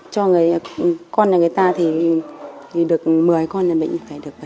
cho con này người ta thì được một mươi con là mình phải được bảy tám